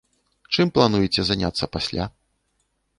Чым плануеце заняцца пасля?